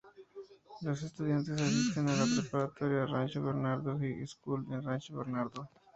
Los estudiantes asisten a la Preparatoria Rancho Bernardo High School en Rancho Bernardo.